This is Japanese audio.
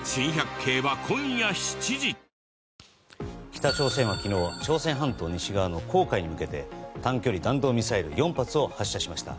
北朝鮮は昨日朝鮮半島西側の黄海に向けて短距離弾道ミサイル４発を発射しました。